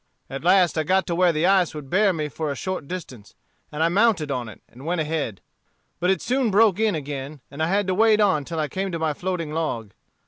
"At last I got to where the ice would bear me for a short distance, and I mounted on it and went ahead. But it soon broke in again, and I had to wade on till I came to my floating log.